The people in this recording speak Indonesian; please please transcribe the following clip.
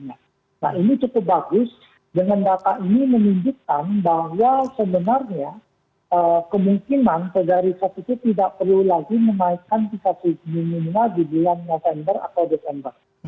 nah ini cukup bagus dengan data ini menunjukkan bahwa sebenarnya kemungkinan federa riset itu tidak perlu lagi menaikkan sifat minimal di bulan november atau desember